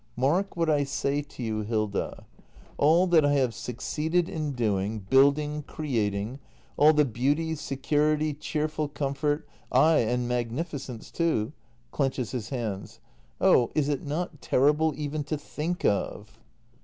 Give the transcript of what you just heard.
] Mark what I say to you, Hilda. All that I have succeeded in doing, building, creating — all the beauty, security, cheerful com fort — ay, and magnificence too — [Clenches his hands.] Oh, is it not terrible even to think of